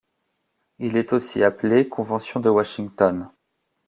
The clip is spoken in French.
Il est aussi appelé Convention de Washington.